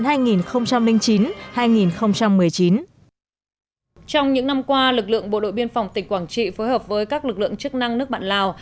trong những năm qua lực lượng bộ đội biên phòng tỉnh quảng trị phối hợp với các lực lượng chức năng nước bạn lào